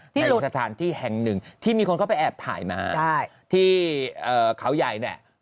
ในสถานที่แห่งหนึ่งที่มีคนเข้าไปแอบถ่ายมาที่เขาใหญ่เนี่ย